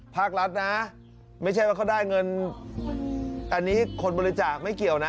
ภาครัฐนะไม่ใช่ว่าเขาได้เงินอันนี้คนบริจาคไม่เกี่ยวนะ